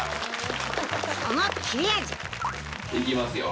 その切れ味いきますよ